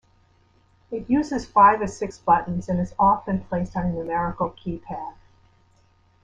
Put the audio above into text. It uses five or six buttons, and is often placed on a numerical keypad.